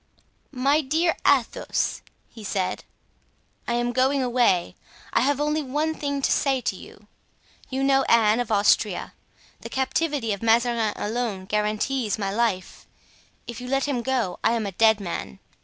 "My dear Athos," he said, "I am going away. I have only one thing to say to you. You know Anne of Austria; the captivity of Mazarin alone guarantees my life; if you let him go I am a dead man."